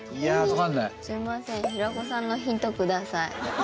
すみません平子さんのヒントください。